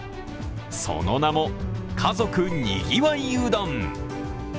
その名も、家族賑わいうどん。